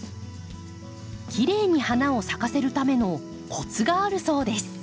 きれいに花を咲かせるためのコツがあるそうです。